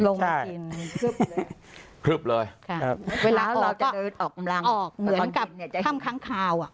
ทางทางขาวราชบุรีเคยไปแล้วเปล่าคะ